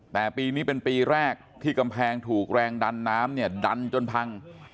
แต่ปีนี้เป็นปีแรกที่กำแพงถูกแรงดันน้ำเนี่ยดันจนพัง